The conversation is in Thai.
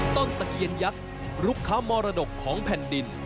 ตะเคียนยักษ์ลูกค้ามรดกของแผ่นดิน